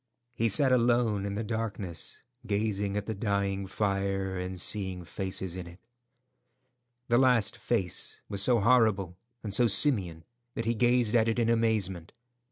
He sat alone in the darkness, gazing at the dying fire, and seeing faces in it. The last face was so horrible and so simian that he gazed at it in amazement.